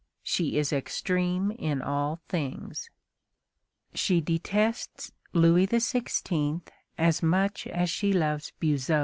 She is extreme in all things. She detests Louis XVI. as much as she loves Buzot.